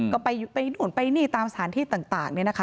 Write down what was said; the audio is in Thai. ก็ไปนู่นไปนี่ตามสถานที่ต่างเนี่ยนะคะ